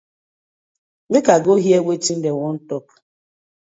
Mak I go heaar wetin im dey tok.